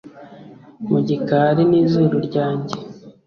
mu gikari nizuru ryanjye.